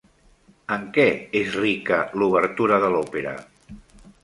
En què és rica l'obertura de l'òpera?